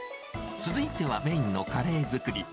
続いてはメインのカレー作り。